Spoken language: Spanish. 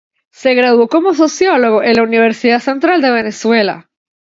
Se graduó como sociólogo en la Universidad Central de Venezuela.